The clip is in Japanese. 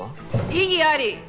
異議あり。